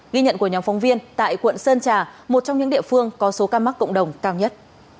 ghi nhận của nhóm phóng viên tại quận sơn trà một trong những địa phương có số ca mắc cộng đồng cao nhất